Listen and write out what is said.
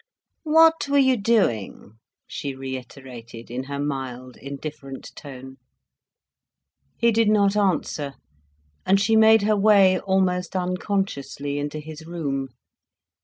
"What were you doing?" she reiterated, in her mild, indifferent tone. He did not answer, and she made her way, almost unconsciously into his room.